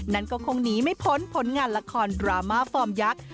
นั่นก็คงหนีไม่พ้นผลงานละครดราม่าฟอร์มยักษ์